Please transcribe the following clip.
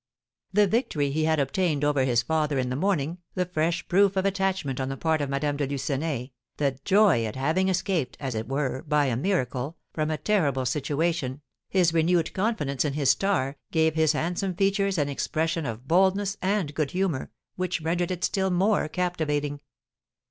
The victory he had obtained over his father in the morning, the fresh proof of attachment on the part of Madame de Lucenay, the joy at having escaped, as it were, by a miracle, from a terrible situation, his renewed confidence in his star, gave his handsome features an expression of boldness and good humour which rendered it still more captivating.